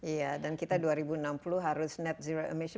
iya dan kita dua ribu enam puluh harus net zero emission